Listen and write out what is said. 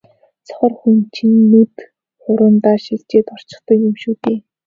сохор хүний чинь нүд хуруундаа шилжээд орчихдог юм шүү дээ.